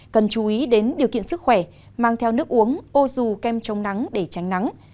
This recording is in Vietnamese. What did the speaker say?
cần chú ý đến điều kiện sức khỏe mang theo nước uống ô dù kem trong nắng để tránh nắng